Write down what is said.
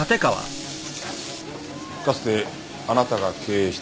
かつてあなたが経営していた店です。